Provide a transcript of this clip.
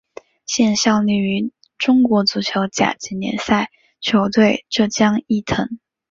现效力于中国足球甲级联赛球队浙江毅腾。